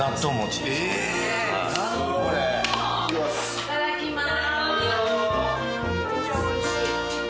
いただきます。